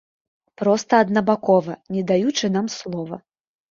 Проста аднабакова, не даючы нам слова.